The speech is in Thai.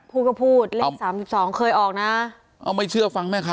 พูดก็พูดเลขสามสิบสองเคยออกนะเอาไม่เชื่อฟังแม่ค้า